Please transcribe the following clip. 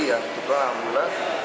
yang kebetulan amblan